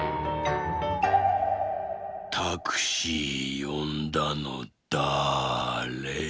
「タクシーよんだのだれ？